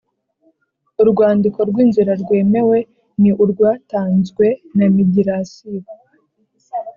Urwandiko rw inzira rwemewe ni urwatanzwe na migirasiyo